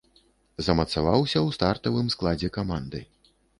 Замацаваўся ў стартавым складзе каманды.